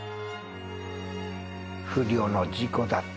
不慮の事故だった。